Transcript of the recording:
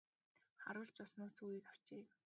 Харуул ч бас нууц үгийг авчээ.